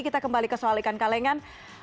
kita kembali ke soal ikan kalengan